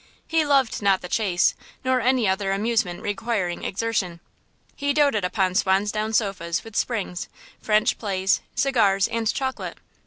He loved not the chase, nor any other amusement requiring exertion. He doted upon swansdown sofas with springs, French plays, cigars, and chocolate.